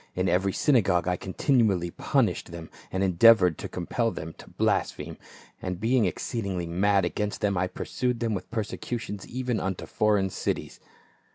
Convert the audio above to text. In every synagogue I continually punished them, and endeavored to compel them to blaspheme ; and being exceedingly mad against them, I pursued them with persecutions even unto foreign cities.